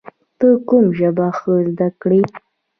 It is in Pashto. ته کوم ژبه ښه زده کړې؟